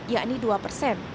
yakni dua persen